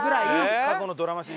過去のドラマ史上？